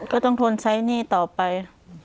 ก็ต้องทนใช้หนี้ต่อไป